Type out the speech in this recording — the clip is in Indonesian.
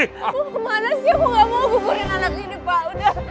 mau kemana sih aku nggak mau gugurin anak ini pak udah